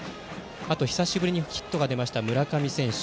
あと久しぶりにヒットが出た村上選手。